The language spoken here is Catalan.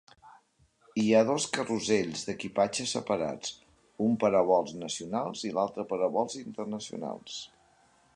Hi ha dos carrusels d'equipatge separats, un per a vols nacionals i l'altre per a vols internacionals.